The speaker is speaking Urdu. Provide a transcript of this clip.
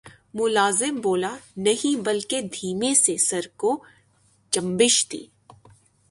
ملازم بولا نہیں بلکہ دھیمے سے سر کو جنبش دی